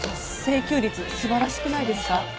制球率、素晴らしくないですか。